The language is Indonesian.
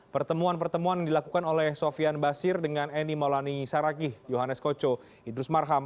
pertemuan pertemuan yang dilakukan oleh sofian basir dengan eni maulani saragih yohannes koco idrus marham